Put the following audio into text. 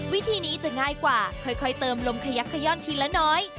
วิธีนี้จะง่ายกว่าค่อยเติมลมขยักขย่อนทีละน้อย